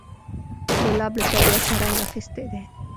ګلاب له طبیعته رنګ اخیستی دی.